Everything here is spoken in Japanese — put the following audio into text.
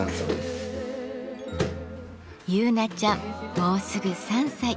もうすぐ３歳。